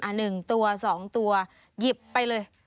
อ่ะ๑ตัว๒ตัวหยิบไปเลย